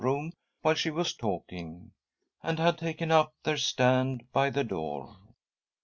room while she was talking, and had taken up their stand by the door.